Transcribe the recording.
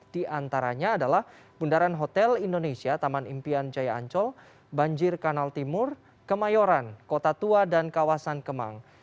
di antaranya adalah bundaran hotel indonesia taman impian jaya ancol banjir kanal timur kemayoran kota tua dan kawasan kemang